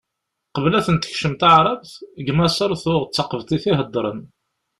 Qbel ad ten-tekcem taɛrabt, deg Maṣer tuɣ d taqebṭit i heddren.